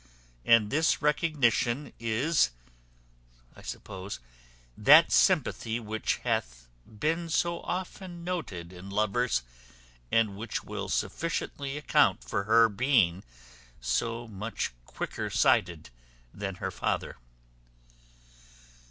And this recognition is, I suppose, that sympathy which hath been so often noted in lovers, and which will sufficiently account for her being so much quicker sighted than her father.